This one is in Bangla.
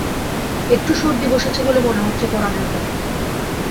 একটু সর্দি বসেছে বলে মনে হচ্ছে পরাণের বৌ।